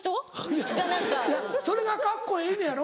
いやそれがカッコええのやろ？